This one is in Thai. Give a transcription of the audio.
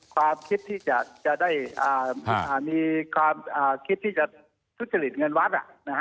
ความคิดที่จะได้มีความคิดที่จะทุจริตเงินวัด